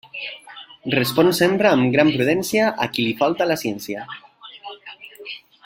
Respon sempre amb gran prudència a qui li falta la ciència.